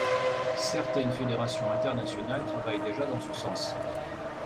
Certaines fédérations internationales travaillent déjà dans ce sens.